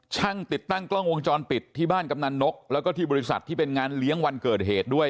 ช่างติดตั้งกล้องวงจรปิดที่บ้านกำนันนกแล้วก็ที่บริษัทที่เป็นงานเลี้ยงวันเกิดเหตุด้วย